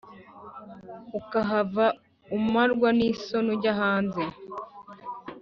ukahava umarwa n’isoni ujya hanze